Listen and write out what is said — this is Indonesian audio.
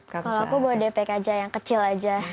kalau aku bawa depek aja yang kecil aja